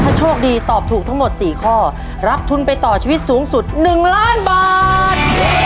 ถ้าโชคดีตอบถูกทั้งหมด๔ข้อรับทุนไปต่อชีวิตสูงสุด๑ล้านบาท